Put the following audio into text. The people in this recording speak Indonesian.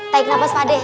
naik nafas pak de